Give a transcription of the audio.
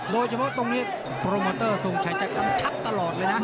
โดยเฉพาะตรงนี้โปรโมเตอร์ทรงชัยจะกำชัดตลอดเลยนะ